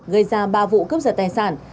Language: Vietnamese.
gây ra ba vụ cướp giật tài sản